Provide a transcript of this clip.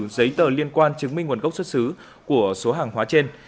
giấy tờ liên quan chứng minh nguồn gốc xuất xứ của số hàng hóa trên